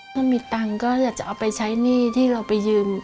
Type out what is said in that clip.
ถ้ามีตังค์ก็อยากจะเอาไปใช้หนี้ที่เราไปยืม